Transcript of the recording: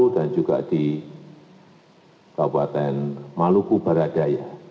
dan juga di kabupaten maluku baradaya